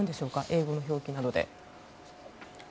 英語の表記などで。